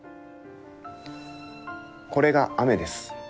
これが雨です。